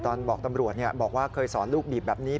บอกตำรวจบอกว่าเคยสอนลูกบีบแบบนี้